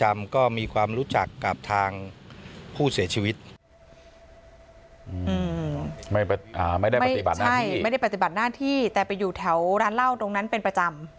ไม่ได้ปฏิบัติหน้าที่แต่ไปอยู่แถวร้านเล่าตรงนั้นเป็นประจำ